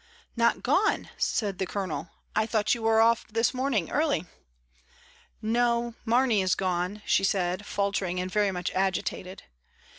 "Not gone!" said the Colonel. "I thought you were off this morning early." "No, Mamey is gone," she said, faltering and very much agitated.